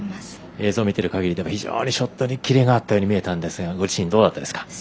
映像見てる限りでは非常にショットにキレがあるように見えたんですがご自身、どうだったんですか？